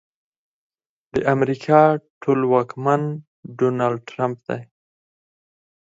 د امريکا ټولواکمن ډونالډ ټرمپ دی.